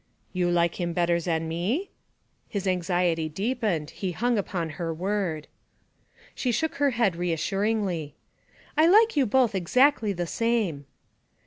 'You like him better zan me?' His anxiety deepened; he hung upon her word. She shook her head reassuringly. 'I like you both exactly the same.'